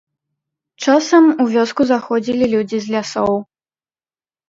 Часам, у вёску заходзілі людзі з лясоў.